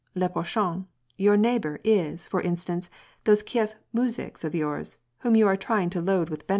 Le pToehaifif your neighbor, is, for instance, those Kief muzhiks of yours, whom you are trying to load with benefits."